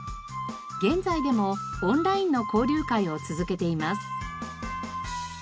現在でもオンラインの交流会を続けています。